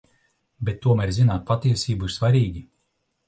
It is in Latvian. Bet tomēr zināt patiesību ir svarīgi.